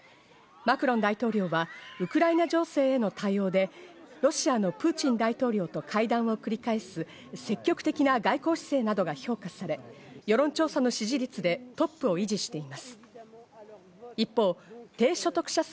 マクロン大統領はウクライナ情勢への対応でロシアのプーチン大統領と会談を繰り返す積極的な外交姿勢などが評価され、世論調査の支持率でトップを維持しています。